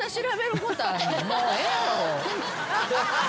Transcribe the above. もうええやろ。